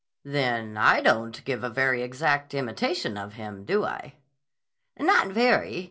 "Then I don't give a very exact imitation of him, do I?" "Not very.